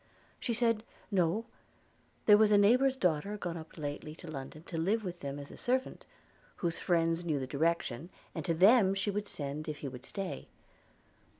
– She said, No; there was a neighbour's daughter gone up lately to London to live with them as a servant; whose friends knew the direction, and to them she would send if he would stay.